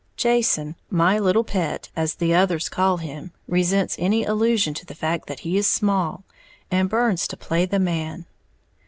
_ Jason, my "little pet" as the others call him, resents any allusion to the fact that he is small, and burns to play the man.